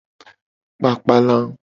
Kpakpa la.